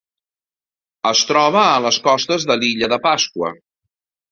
Es troba a les costes de l'Illa de Pasqua.